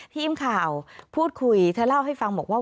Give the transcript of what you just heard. ทีมข่าวพูดคุยเธอเล่าให้ฟังบอกว่า